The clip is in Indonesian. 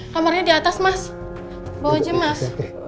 kamarnya di atas mas bawa aja mas